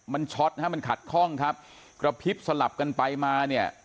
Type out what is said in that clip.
มันช็อตนะฮะมันขัดข้องครับกระพริบสลับกันไปมาเนี่ย